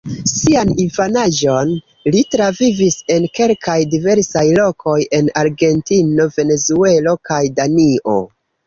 Sian infanaĝon li travivis en kelkaj diversaj lokoj en Argentino, Venezuelo kaj Danio.